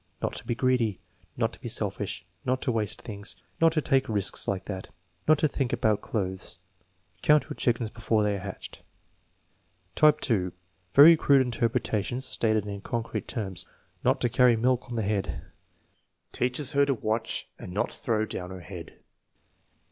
" Not to be greedy.' ' "Not to be selfish." "Not to waste things." "Not to take risks like that." "Not to think about clothes." "Count your chickens before they are hatched." Type (2), very crude interpretations stated in concrete terms: "Not to carry milk on the head." "Teaches her to watch and not throw down her head."